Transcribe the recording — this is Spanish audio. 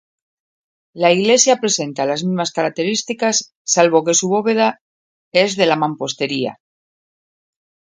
La iglesia presenta las mismas características, salvo que su bóveda es de mampostería.